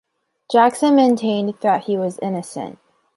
Jackson maintained that he was innocent.